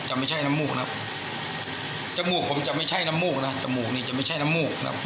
ไม่ใช่น้ำมูกครับจมูกผมจะไม่ใช่น้ำมูกนะจมูกนี่จะไม่ใช่น้ำมูกครับ